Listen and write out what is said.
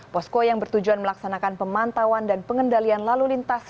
posko yang bertujuan melaksanakan pemantauan dan pengendalian lalu lintas